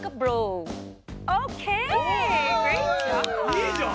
いいじゃん！